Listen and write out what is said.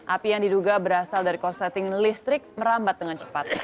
api yang diduga berasal dari korsleting listrik merambat dengan cepat